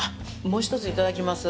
もう１つ、いただきます。